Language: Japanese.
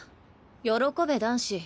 喜べ男子。